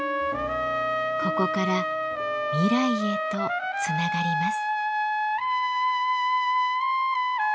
ここから未来へとつながります。